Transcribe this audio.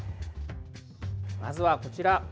まずは、こちら。